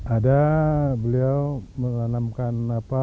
ada beliau menanamkan apa